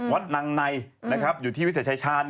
วัดนังไนอยู่ที่วิเศษชัยชาญ